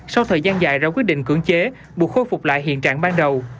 sau thời gian dài ra quyết định cưỡng chế buộc khôi phục lại hiện trạng ban đầu